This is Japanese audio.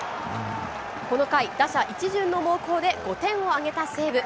この回、打者一巡の猛攻で５点を挙げた西武。